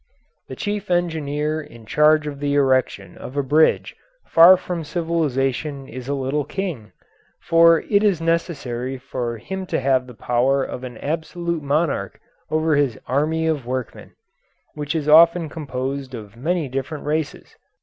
The chief engineer in charge of the erection of a bridge far from civilisation is a little king, for it is necessary for him to have the power of an absolute monarch over his army of workmen, which is often composed of many different races.